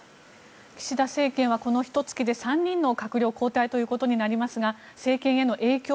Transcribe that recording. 岸田政権はこのひと月で３人の閣僚交代となりますが政権への影響